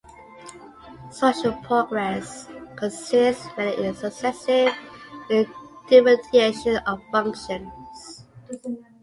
Social progress consists mainly in a successive differentiation of functions.